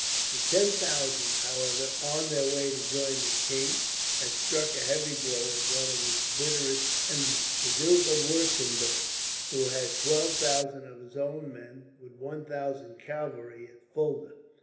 The ten thousand, however, on their way to join the king, had struck a heavy blow at one of his bitterest enemies, the Duke of Wuertemberg, who had twelve thousand of his own men, with one thousand cavalry, at Fulda.